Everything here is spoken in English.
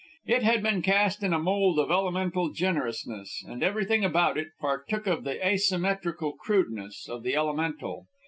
It had been cast in a mould of elemental generousness, and everything about it partook of the asymmetrical crudeness of the elemental.